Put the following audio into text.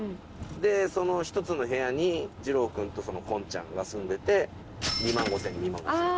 その１つの部屋にじろう君と近ちゃんが住んでて２万５０００円と２万５０００円。